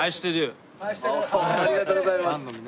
ありがとうございます。